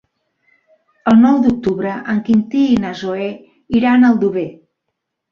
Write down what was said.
El nou d'octubre en Quintí i na Zoè iran a Aldover.